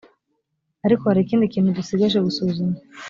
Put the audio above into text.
ariko hari ikindi kintu dusigaje gusuzuma